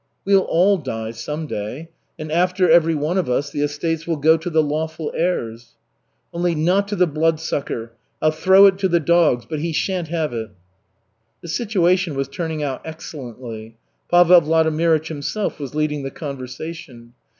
'" "We'll all die, some day and after every one of us, the estates will go to the lawful heirs." "Only not to the Bloodsucker! I'll throw it to the dogs, but he shan't have it." The situation was turning out excellently. Pavel Vladimirych himself was leading the conversation.